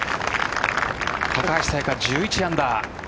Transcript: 高橋彩華、１１アンダー。